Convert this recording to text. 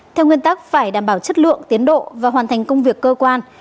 theo nguyên tắc phải đảm bảo chất lượng tiến độ và hoàn thành công việc cơ quan